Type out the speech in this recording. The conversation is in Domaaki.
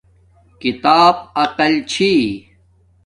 کتاب عقل چھی